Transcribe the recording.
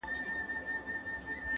شیخ ویله میکدې ته ځه جواز دی,